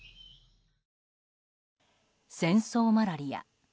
戦争マラリア。